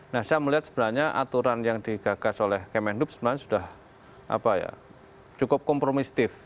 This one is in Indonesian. nah saya melihat sebenarnya aturan yang digagas oleh kmn loop sebenarnya sudah cukup kompromisitif